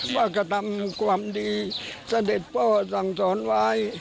ว่ากระทำความดีเสด็จพ่อสั่งสอนไว้